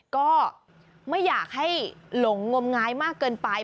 ก็ไม่อยากให้หลงงมงายมากเกินไป